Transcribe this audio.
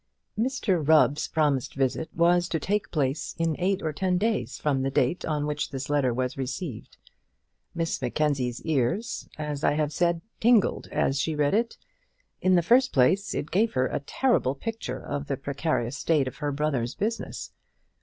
Mr Rubb's promised visit was to take place in eight or ten days from the date on which this letter was received. Miss Mackenzie's ears, as I have said, tingled as she read it. In the first place, it gave her a terrible picture of the precarious state of her brother's business.